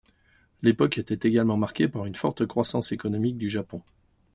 L'époque était également marquée par une forte croissance économique du Japon.